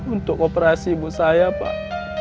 untuk kooperasi ibu saya pak